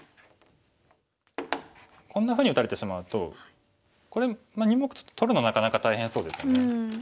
こんなふうに打たれてしまうと２目取るのはなかなか大変そうですよね。